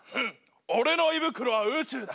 俺の胃袋は宇宙だ。